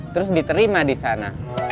terus diterima disana